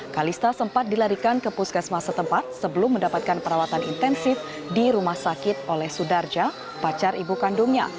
kalista sempat dilarikan ke puskesmas setempat sebelum mendapatkan perawatan intensif di rumah sakit oleh sudarja pacar ibu kandungnya